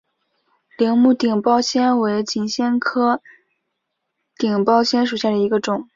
铃木顶苞藓为锦藓科顶苞藓属下的一个种。